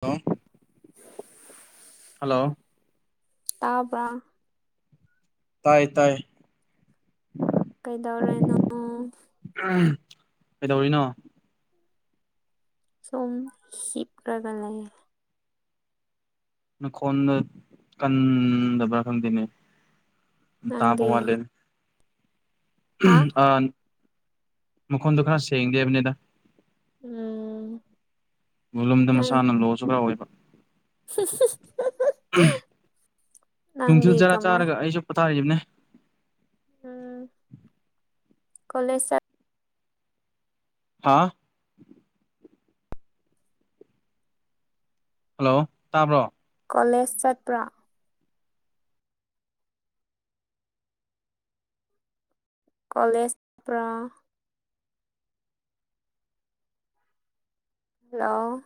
ꯂꯣ hello ꯇꯥꯕ꯭ꯔꯥ ꯇꯥꯏꯌꯦ ꯇꯥꯏ ꯀꯩꯗꯧꯔꯤꯅꯣ ꯎꯝ ꯀꯩꯗꯧꯔꯤꯅꯣ ꯁꯨꯝ ꯍꯤꯞꯔꯒ ꯂꯩꯌꯦ ꯅꯈꯣꯟꯗꯣ ꯀꯟꯗꯕ꯭ꯔꯥ ꯈꯪꯗꯦꯅꯦ ꯇꯥꯕ ꯅꯪꯗꯤ ꯋꯥꯠꯂꯦꯅꯦ ꯍꯥ ꯎꯝ ꯑ ꯃꯈꯣꯟꯗꯣ ꯈꯔ ꯁꯦꯡꯗꯦ ꯍꯥꯏꯕꯅꯦꯗ ꯎꯝ ꯕꯣꯂꯨꯝꯗꯣ ꯅꯪ ꯃꯁꯥꯅ ꯂꯣꯁꯨ ꯈꯔ ꯑꯣꯏꯕ ꯎꯝ ꯅꯪꯗꯤ ꯅꯨꯡꯊꯤꯜ ꯆꯔꯥ ꯀꯃꯥꯏ ꯆꯥꯔꯒ ꯑꯩꯁꯨ ꯇꯥꯔꯤꯕꯅꯦ ꯎꯝ ꯀꯣꯂꯦꯖ ꯆꯠ ꯍꯥ ꯍꯜꯂꯣ ꯇꯥꯕ꯭ꯔꯣ ꯀꯣꯂꯦꯖ ꯆꯠꯄ꯭ꯔꯥ ꯀꯣꯂꯦꯖ ꯄ꯭ꯔꯥ ꯍꯜꯂꯣ